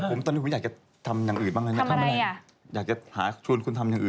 แต่ผมตอนนี้อยากจะทำอย่างอื่นบ้างนะอยากจะหาชุดคุณทำอย่างอื่น